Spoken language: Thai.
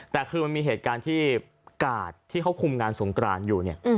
แต่คือมันมีเหตุการณ์ที่กาดที่เขาคุมงานสงกรานอยู่เนี่ย